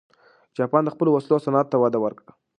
جاپان د خپلو وسلو صنعت ته وده ورکړه.